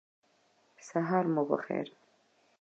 سهار مو پخیر